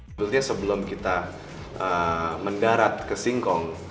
sebenarnya sebelum kita mendarat ke singkong